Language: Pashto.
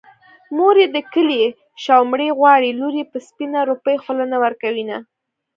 مور يې د کلي شومړې غواړي لور يې په سپينه روپۍ خوله نه ورکوينه